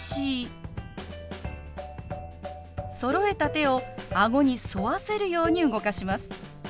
そろえた手を顎に沿わせるように動かします。